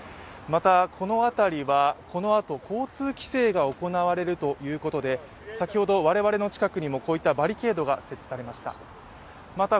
また、この辺りはこのあと交通規制が行われるということで先ほど我々の近くにもバリケードが設置されました。